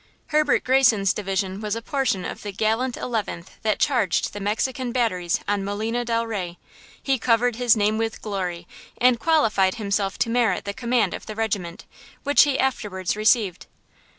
Herbert Greyson's division was a portion of the gallant Eleventh that charged the Mexican batteries on Molina del Rey. He covered his name with glory, and qualified himself to merit the command of the regiment, which he afterwards received.